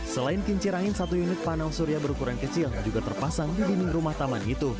selain kincir angin satu unit panel surya berukuran kecil juga terpasang di dinding rumah taman itu